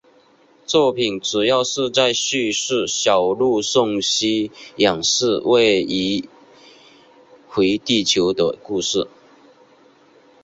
作品主要是在叙述小路送西远寺未宇回地球的故事。